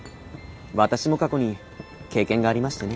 私も過去に経験がありましてね。